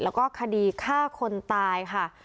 แล้วก็คดีฆ่าคนตายค่ะ